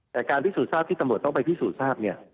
แต่การพิสูจน์ทราบที่ตำรวจต้องไปพิสูจน์ทราบเนี่ย